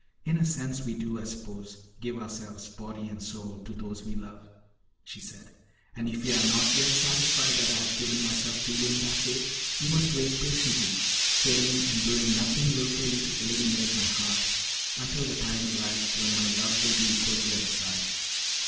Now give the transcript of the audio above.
"In a sense we do, I suppose, give ourselves, body and soul, to those we love," she said. "And if you are not yet satisfied that I have given myself to you in that way, you must wait patiently, saying and doing nothing willfully to alienate my heart, until the time arrives when my love will be equal to your desire.